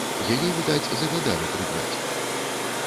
Яе, відаць, загадалі прыбраць.